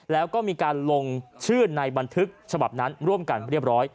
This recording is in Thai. แล้วก็มีการลงชื่อในบันทึกฉบับนั้นร่วมกันเรียบร้อย